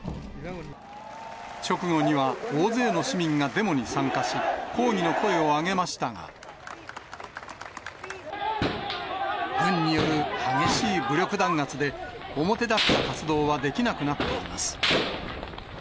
直後には大勢の市民がデモに参加し、抗議の声を上げましたが、軍による激しい武力弾圧で、表立った活動はできなくなっています。